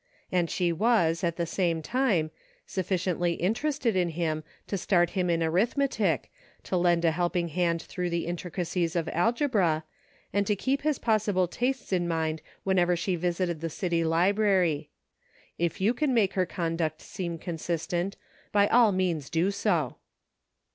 And she was, at the same time, sufficiently inter ested in him to start him in arithmetic, to lend a helping hand through the intricacies of algebra, and to keep his possible tastes in mind whenever she visited the city library. If you can make her conduct seem consistent, by all means do so.